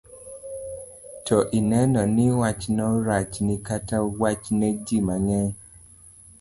to ineno ni wachno rachni kata rachne ji mang'eny.